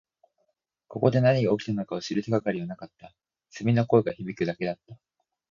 ここで何が起きたのかを知る手がかりはなかった。蝉の声が響くだけだった。